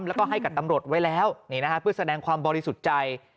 แล้วก็ให้กับตำรวจไว้แล้วเพื่อแสดงความบริสุทธิ์ใจ